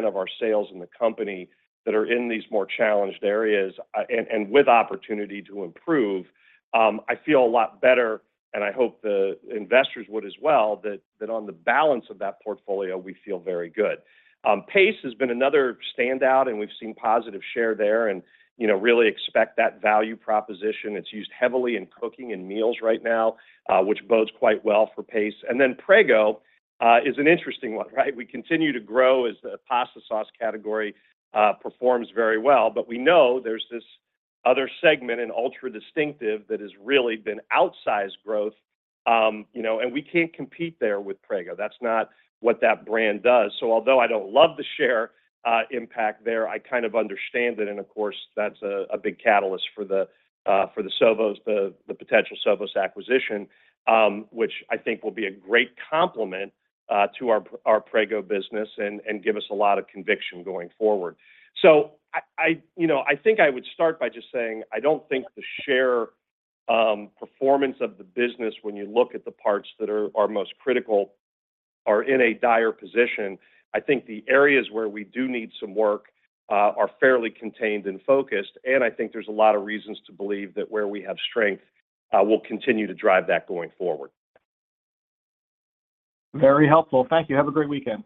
of our sales in the company that are in these more challenged areas, and with opportunity to improve, I feel a lot better, and I hope the investors would as well, that on the balance of that portfolio, we feel very good. Pace has been another standout, and we've seen positive share there and, you know, really expect that value proposition. It's used heavily in cooking and meals right now, which bodes quite well for Pace. And then Prego is an interesting one, right? We continue to grow as the pasta sauce category performs very well, but we know there's this other segment in ultra distinctive that has really been outsized growth. You know, and we can't compete there with Prego. That's not what that brand does. So although I don't love the share impact there, I kind of understand it. And of course, that's a big catalyst for the Sovos, the potential Sovos acquisition, which I think will be a great complement to our Prego business and give us a lot of conviction going forward. So you know, I think I would start by just saying, I don't think the share performance of the business when you look at the parts that are most critical are in a dire position. I think the areas where we do need some work are fairly contained and focused, and I think there's a lot of reasons to believe that where we have strength we'll continue to drive that going forward. Very helpful. Thank you. Have a great weekend.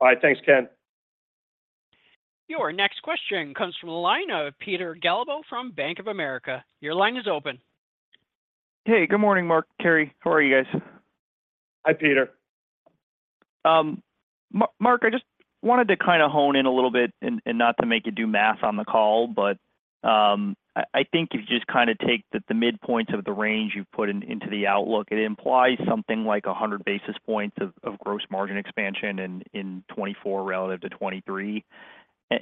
Bye. Thanks, Ken. Your next question comes from the line of Peter Galbo from Bank of America. Your line is open. Hey, good morning, Mark, Terry. How are you guys? Hi, Peter. Mark, I just wanted to kind of hone in a little bit, and not to make you do math on the call, but I think if you just take the midpoints of the range you've put into the outlook, it implies something like 100 basis points of gross margin expansion in 2024 relative to 2023.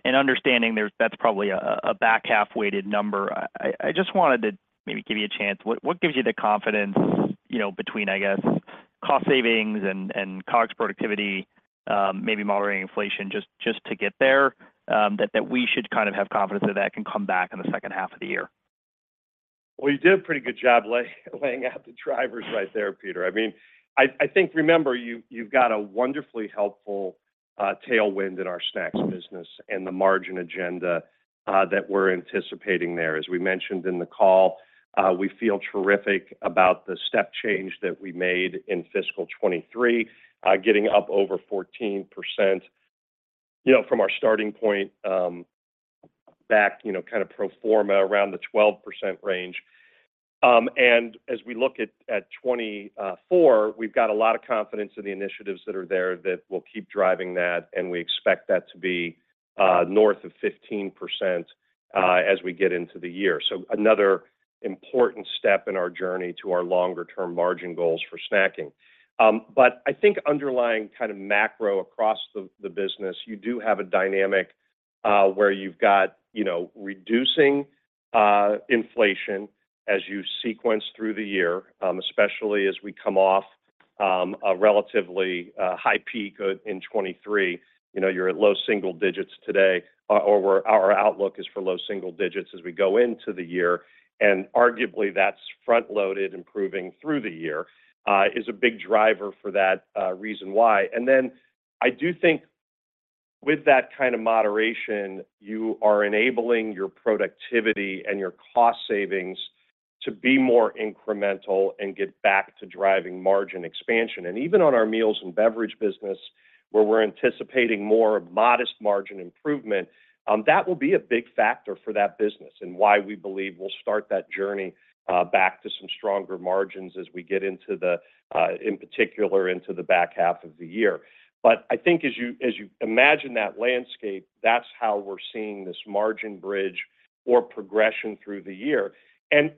And understanding there's that's probably a back half-weighted number, I just wanted to maybe give you a chance. What gives you the confidence, you know, between, I guess, cost savings and COGS productivity, maybe moderating inflation, just to get there, that we should kind of have confidence that that can come back in the second half of the year? Well, you did a pretty good job laying out the drivers right there, Peter. I mean, I think, remember, you've got a wonderfully helpful tailwind in our snacks business and the margin agenda that we're anticipating there. As we mentioned in the call, we feel terrific about the step change that we made in fiscal 2023, getting up over 14%, you know, from our starting point, back, you know, kind of pro forma around the 12% range. And as we look at 2024, we've got a lot of confidence in the initiatives that are there that will keep driving that, and we expect that to be north of 15% as we get into the year. So another important step in our journey to our longer-term margin goals for snacking. But I think underlying kind of macro across the, the business, you do have a dynamic, where you've got, you know, reducing, inflation as you sequence through the year, especially as we come off, a relatively, high peak in, in 2023. You know, you're at low single digits today, or we're, our outlook is for low single digits as we go into the year, and arguably, that's front-loaded, improving through the year, is a big driver for that, reason why. And then I do think with that kind of moderation, you are enabling your productivity and your cost savings to be more incremental and get back to driving margin expansion. Even on our meals and beverage business, where we're anticipating more modest margin improvement, that will be a big factor for that business and why we believe we'll start that journey back to some stronger margins as we get into the, in particular, into the back half of the year. But I think as you imagine that landscape, that's how we're seeing this margin bridge or progression through the year.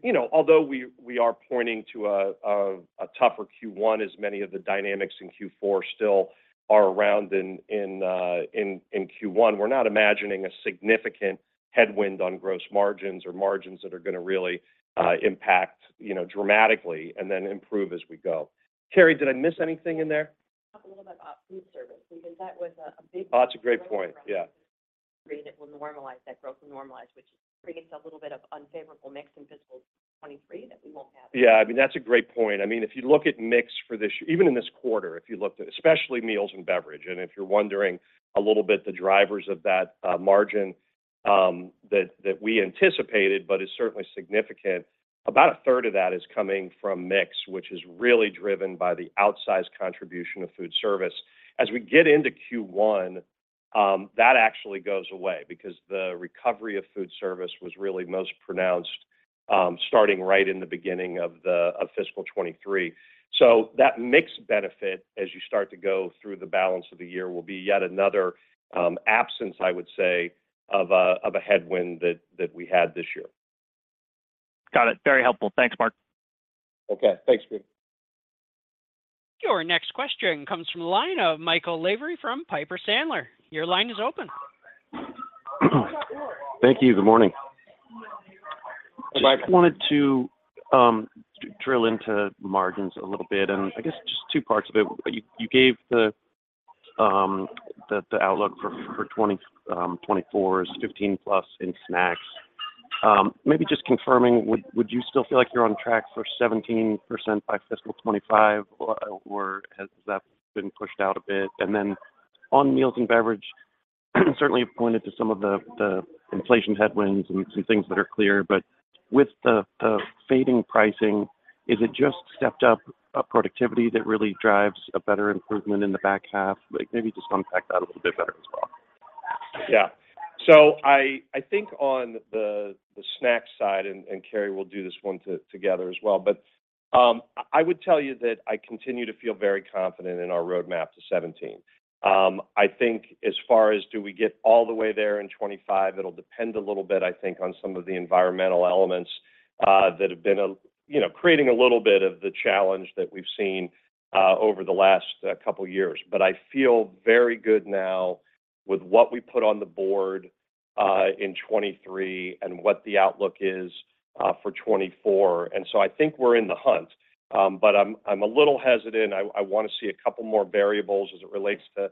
You know, although we are pointing to a tougher Q1, as many of the dynamics in Q4 still are around in Q1, we're not imagining a significant headwind on gross margins or margins that are gonna really impact you know dramatically and then improve as we go. Terry, did I miss anything in there? Talk a little bit about food service, because that was a big- Oh, that's a great point. Yeah. It will normalize, that growth will normalize, which brings a little bit of unfavorable mix in fiscal 2023 that we won't have. Yeah, I mean, that's a great point. I mean, if you look at mix for this—even in this quarter, if you looked at, especially meals and beverage, and if you're wondering a little bit the drivers of that, margin, that, that we anticipated, but is certainly significant, about a third of that is coming from mix, which is really driven by the outsized contribution of food service. As we get into Q1, that actually goes away because the recovery of food service was really most pronounced, starting right in the beginning of the, of fiscal 2023. So that mix benefit, as you start to go through the balance of the year, will be yet another, absence, I would say, of a, of a headwind that, that we had this year. Got it. Very helpful. Thanks, Mark. Okay. Thanks, Pete. Your next question comes from the line of Michael Lavery from Piper Sandler. Your line is open. Thank you. Good morning. Mike- I just wanted to drill into margins a little bit, and I guess just two parts of it. You gave the outlook for 2024 is 15+ in snacks. Maybe just confirming, would you still feel like you're on track for 17% by fiscal 2025, or has that been pushed out a bit? And then, on meals and beverage, certainly you've pointed to some of the inflation headwinds and some things that are clear, but with the fading pricing, is it just stepped up productivity that really drives a better improvement in the back half? Like, maybe just unpack that a little bit better as well. Yeah. So I think on the snacks side, and Carrie will do this one together as well, but I would tell you that I continue to feel very confident in our roadmap to 17. I think as far as do we get all the way there in 2025, it'll depend a little bit, I think, on some of the environmental elements that have been, you know, creating a little bit of the challenge that we've seen over the last couple years. But I feel very good now with what we put on the board in 2023 and what the outlook is for 2024. And so I think we're in the hunt. But I'm a little hesitant. I want to see a couple more variables as it relates to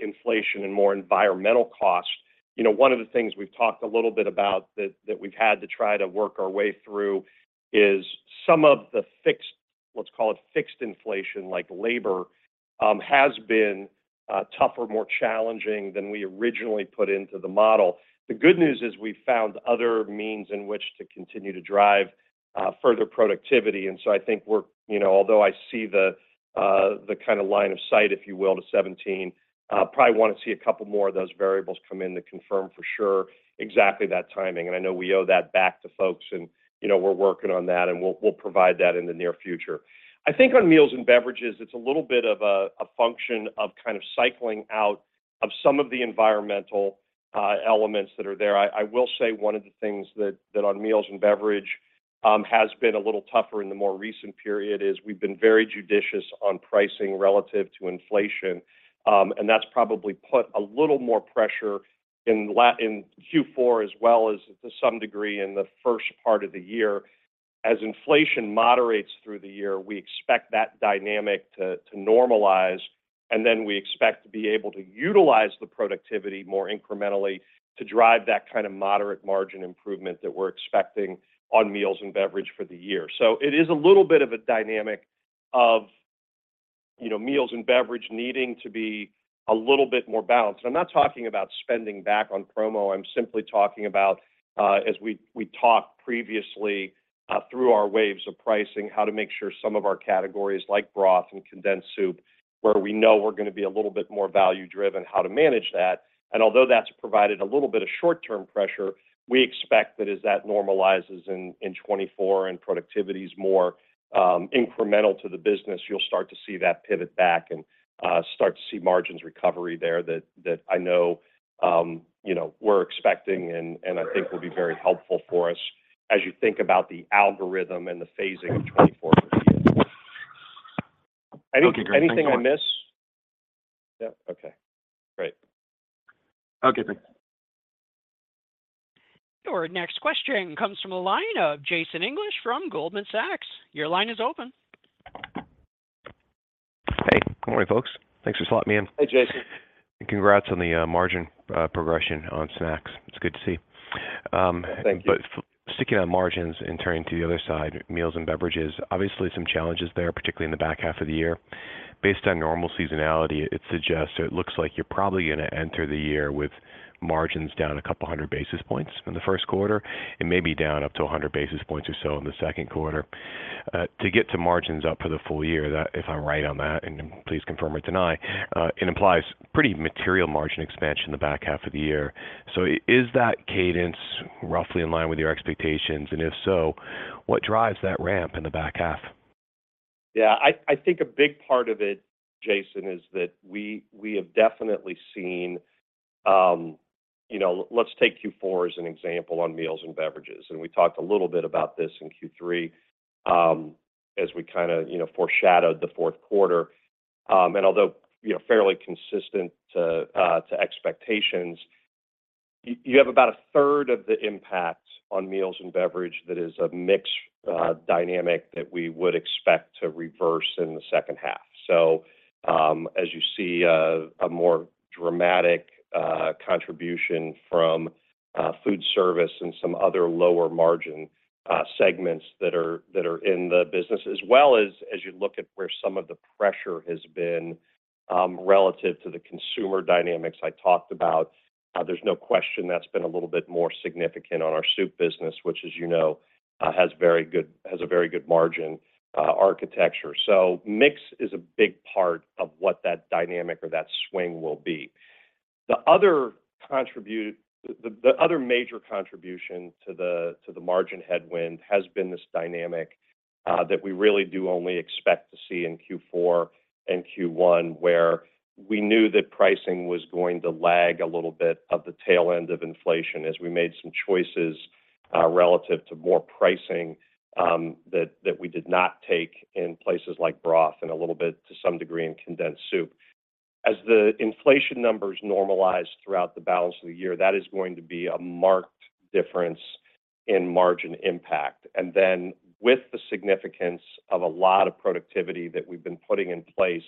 inflation and more environmental costs. You know, one of the things we've talked a little bit about that we've had to try to work our way through is some of the fixed, let's call it fixed inflation, like labor, has been tougher, more challenging than we originally put into the model. The good news is we've found other means in which to continue to drive further productivity, and so I think we're. You know, although I see the kind of line of sight, if you will, to 17, probably want to see a couple more of those variables come in to confirm for sure exactly that timing. And I know we owe that back to folks and, you know, we're working on that, and we'll provide that in the near future. I think on meals and beverages, it's a little bit of a function of kind of cycling out of some of the environmental elements that are there. I will say one of the things that on meals and beverage has been a little tougher in the more recent period is we've been very judicious on pricing relative to inflation. And that's probably put a little more pressure in Q4, as well as to some degree in the first part of the year. As inflation moderates through the year, we expect that dynamic to normalize, and then we expect to be able to utilize the productivity more incrementally to drive that kind of moderate margin improvement that we're expecting on meals and beverage for the year. So it is a little bit of a dynamic of, you know, meals and beverage needing to be a little bit more balanced. I'm not talking about spending back on promo. I'm simply talking about, as we, we talked previously, through our waves of pricing, how to make sure some of our categories, like broth and condensed soup, where we know we're going to be a little bit more value driven, how to manage that. Although that's provided a little bit of short-term pressure, we expect that as that normalizes in 2024 and productivity's more incremental to the business, you'll start to see that pivot back and start to see margins recovery there that I know you know we're expecting and I think will be very helpful for us as you think about the algorithm and the phasing of 2024- Okay, great. Anything I miss? Yeah. Okay, great. Okay, thanks. Your next question comes from a line of Jason English from Goldman Sachs. Your line is open. Hey, good morning, folks. Thanks for slotting me in. Hey, Jason. Congrats on the margin progression on snacks. It's good to see. Thank you. But sticking on margins and turning to the other side, meals and beverages, obviously some challenges there, particularly in the back half of the year. Based on normal seasonality, it suggests, or it looks like you're probably gonna enter the year with margins down 200 basis points in the first quarter, and maybe down up to 100 basis points or so in the second quarter. To get to margins up for the full year, that, if I'm right on that, and please confirm or deny, it implies pretty material margin expansion in the back half of the year. So is that cadence roughly in line with your expectations? And if so, what drives that ramp in the back half? Yeah, I think a big part of it, Jason, is that we have definitely seen. You know, let's take Q4 as an example on meals and beverages, and we talked a little bit about this in Q3, as we kinda, you know, foreshadowed the fourth quarter. And although, you know, fairly consistent to, to expectations, you have about a third of the impact on meals and beverage that is a mix dynamic that we would expect to reverse in the second half. So, as you see, a more dramatic contribution from food service and some other lower margin segments that are in the business, as well as you look at where some of the pressure has been relative to the consumer dynamics I talked about, there's no question that's been a little bit more significant on our soup business, which, as you know, has very good - has a very good margin architecture. So mix is a big part of what that dynamic or that swing will be... The other major contribution to the margin headwind has been this dynamic that we really do only expect to see in Q4 and Q1, where we knew that pricing was going to lag a little bit at the tail end of inflation as we made some choices relative to more pricing that we did not take in places like broth and a little bit to some degree in condensed soup. As the inflation numbers normalize throughout the balance of the year, that is going to be a marked difference in margin impact. And then with the significance of a lot of productivity that we've been putting in place,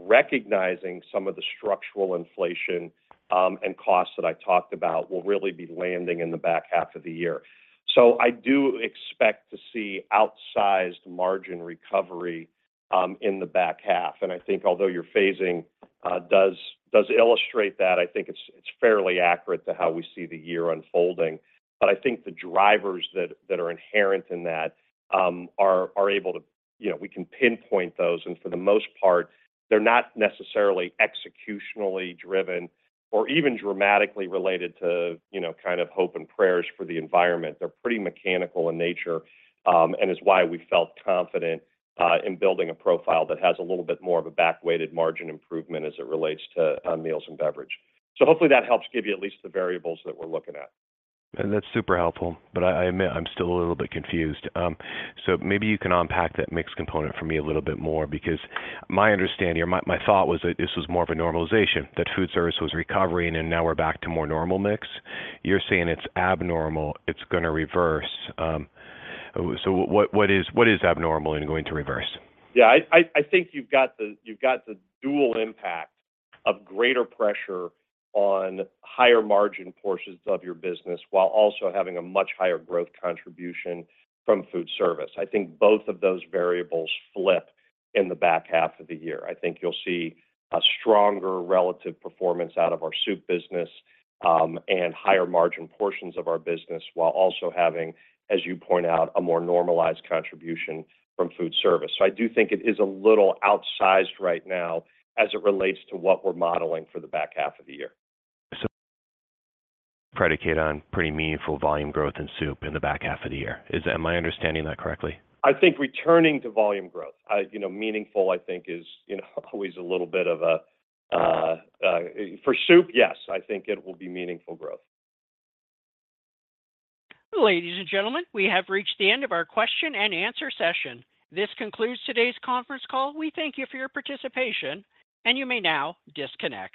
recognizing some of the structural inflation and costs that I talked about will really be landing in the back half of the year. So I do expect to see outsized margin recovery in the back half. I think although your phasing does illustrate that, I think it's fairly accurate to how we see the year unfolding. But I think the drivers that are inherent in that are able to. You know, we can pinpoint those, and for the most part, they're not necessarily executionally driven or even dramatically related to, you know, kind of hope and prayers for the environment. They're pretty mechanical in nature, and is why we felt confident in building a profile that has a little bit more of a back-weighted margin improvement as it relates to on meals and beverage. So hopefully that helps give you at least the variables that we're looking at. That's super helpful, but I admit I'm still a little bit confused. So maybe you can unpack that mixed component for me a little bit more, because my understanding or my thought was that this was more of a normalization, that food service was recovering, and now we're back to more normal mix. You're saying it's abnormal, it's gonna reverse. So what is abnormal and going to reverse? Yeah, I think you've got the dual impact of greater pressure on higher margin portions of your business while also having a much higher growth contribution from food service. I think both of those variables flip in the back half of the year. I think you'll see a stronger relative performance out of our soup business, and higher margin portions of our business, while also having, as you point out, a more normalized contribution from food service. So I do think it is a little outsized right now as it relates to what we're modeling for the back half of the year. So, predicated on pretty meaningful volume growth in soup in the back half of the year. Is that, am I understanding that correctly? I think returning to volume growth. I, you know, meaningful, I think is, you know, always a little bit of a... For soup, yes, I think it will be meaningful growth. Ladies and gentlemen, we have reached the end of our question and answer session. This concludes today's conference call. We thank you for your participation, and you may now disconnect.